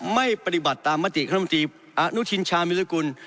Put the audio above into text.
ไม่ปฏิบัติตามมาติขนมตีอานุชินชามิรกุล